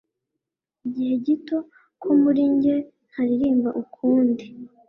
Igihe gito ko muri njye ntaririmba ukundi